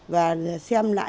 và xem lại